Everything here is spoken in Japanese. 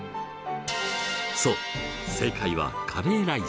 そう正解はカレーライス。